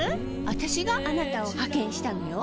私があなたを派遣したのよ